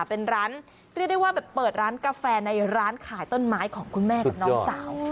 เป็นร้านเรียกได้ว่าแบบเปิดร้านกาแฟในร้านขายต้นไม้ของคุณแม่กับน้องสาว